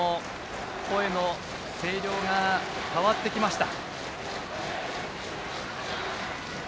声の声量が変わってきました。